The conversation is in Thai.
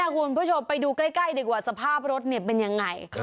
คุณผู้ชมไปดูใกล้ดีกว่าสภาพรถเป็นยังไง